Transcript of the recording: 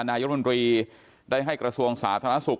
นายมนตรีได้ให้กระทรวงสาธารณสุข